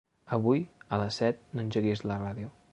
Avui a les set no engeguis la ràdio.